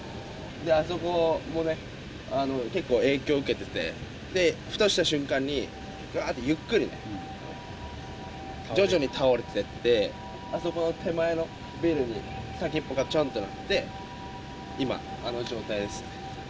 あそこのね、結構影響受けてて、で、ふとした瞬間に、がーってゆっくりね、徐々に倒れてって、あそこの手前のビルに先っぽがちょんってなって、今、あの状態ですね。